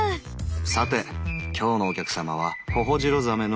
さて今日のお客様はホホジロザメの。